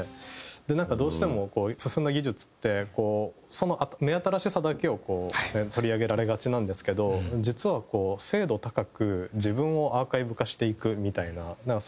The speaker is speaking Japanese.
でなんかどうしても進んだ技術ってこうその目新しさだけを取り上げられがちなんですけど実はこう精度高く自分をアーカイブ化していくみたいななんか